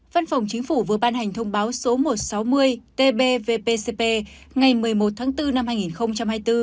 văn phòng chính phủ vừa ban hành thông báo số một trăm sáu mươi tb vpcp ngày một mươi một tháng bốn năm hai nghìn hai mươi bốn